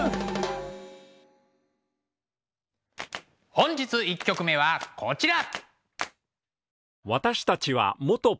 本日１曲目はこちら。